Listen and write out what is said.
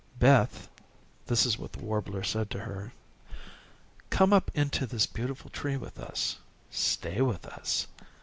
"Beth," this is what the warbler said to her, "come up into this beautiful tree with us. Stay with us."